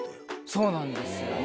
そうなんですよね。